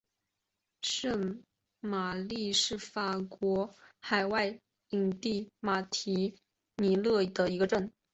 圣玛丽是法国海外领地马提尼克的一个镇。